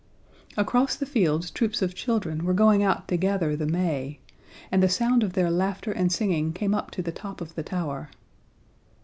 Across the fields troops of children were going out to gather the may, and the sound of their laughter and singing came up to the top of the tower.